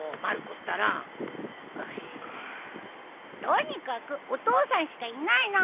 とにかくお父さんしかいないの！